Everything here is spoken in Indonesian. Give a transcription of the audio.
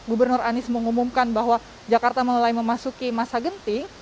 gubernur anies mengumumkan bahwa jakarta mulai memasuki masa genting